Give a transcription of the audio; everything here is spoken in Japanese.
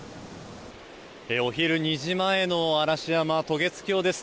お昼２時前の嵐山渡月橋です。